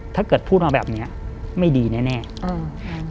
ถ้าเกิดพูดมาแบบเนี้ยไม่ดีแน่แน่อืม